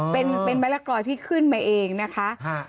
เป็นมะละกอที่ขึ้นมาเองนะคะ